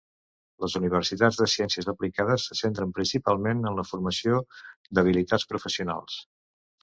Les universitats de ciències aplicades se centren principalment en la formació d'habilitats professionals.